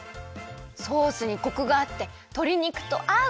ソースにコクがあってとり肉とあう！